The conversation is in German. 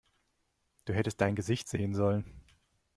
Du hättest dein Gesicht sehen sollen!